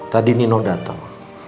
tadi nino dateng